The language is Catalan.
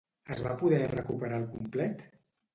Es va poder recuperar al complet?